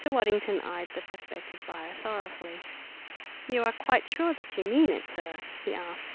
Waddington eyed the prospective buyer sorrowfully. "You are quite sure that you mean it, sir?" he asked.